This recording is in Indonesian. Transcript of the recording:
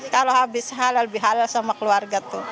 kalau habis halal bihalal sama keluarga tuh